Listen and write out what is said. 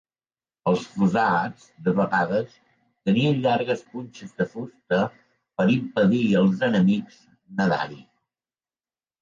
Els fossats, de vegades, tenien llargues punxes de fusta, per impedir als enemics nedar-hi.